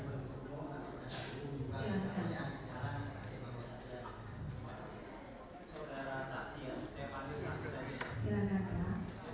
pmou setahu saya itu adalah perniagaan kerjasama antara benefit free dan expert free